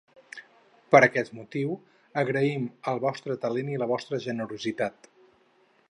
Per aquest motiu agraïm el vostre talent i la vostra generositat.